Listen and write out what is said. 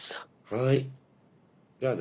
はいじゃあね。